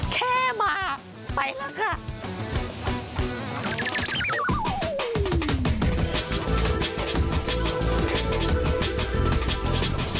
แค่มาไปแล้วค่ะ